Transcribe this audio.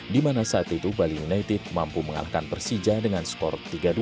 di mana saat itu bali united mampu mengalahkan persija dengan skor tiga dua